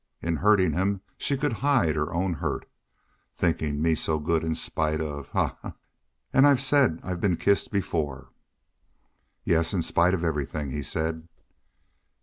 In hurting him she could hide her own hurt. "Thinking me so good in spite of Ha ha! And I said I'd been kissed before!" "Yes, in spite of everything," he said.